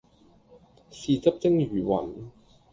豉汁蒸魚雲